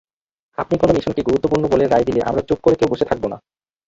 আপনি কোনো মিশনকে গুরুত্বপূর্ণ বলে রায় দিলে আমরা চুপ করে কেউ বসে থাকব না।